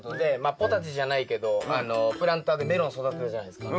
ポタジェじゃないけどプランターでメロン育てたじゃないすか。